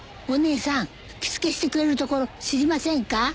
お姉さん着付けしてくれるところ知りませんか？